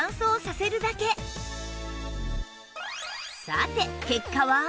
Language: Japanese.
さて結果は？